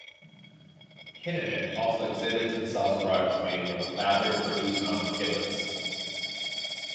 "Hinnanit" also exhibits and sells rugs made from the fabric produced on the kibbutz.